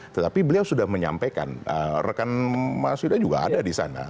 tetapi beliau sudah menyampaikan rekan mas yuda juga ada di sana